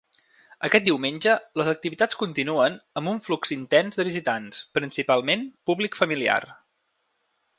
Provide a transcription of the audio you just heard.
Aquest diumenge les activitats continuen amb un flux intens de visitants, principalment públic familiar.